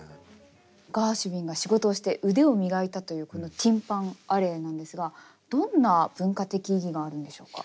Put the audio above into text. ガーシュウィンが仕事をして腕を磨いたというこのティン・パン・アレーなんですがどんな文化的意義があるんでしょうか？